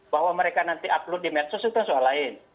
bahwa mereka nanti upload di medsos itu soal lain